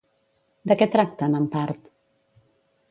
De què tracten, en part?